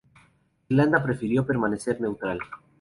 Irlanda prefirió permanecer neutral.